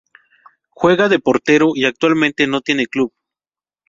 Juega de portero y actualmente no tiene club.